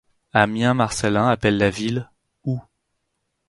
Ammien Marcellin appelle la ville ' ou '.